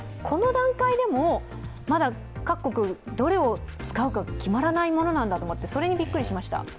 この段階でもまだ各国、どれを使うか決まらないものなんだと思って、それにびっくりしました。